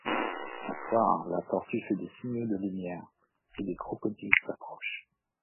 Un soir, la tortue fait des signaux de lumière et des crocodiles s'approchent.